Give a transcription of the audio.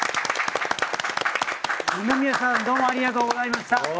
二宮さんどうもありがとうございました。